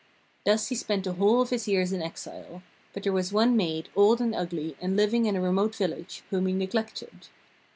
Thus he spent the whole of his years of exile; but there was one maid, old and ugly, and living in a remote village, whom he neglected.